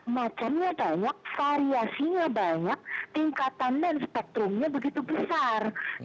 macamnya banyak variasinya banyak tingkatan dan spektrumnya begitu besar